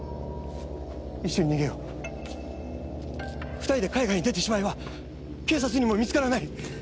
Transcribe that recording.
２人で海外に出てしまえば警察にも見つからない。